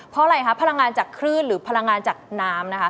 เพราะอะไรคะพลังงานจากคลื่นหรือพลังงานจากน้ำนะคะ